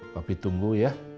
papi tunggu ya